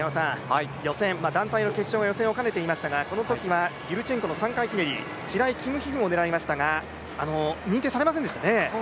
団体の決勝が予選を兼ねていましたがこのときはユルチェンコの３回ひねり、シライ／キムヒフンを狙いましたが認定されませんでしたね。